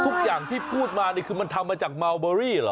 ทุกอย่างที่พูดมานี่คือมันทำมาจากเมาเบอรี่เหรอ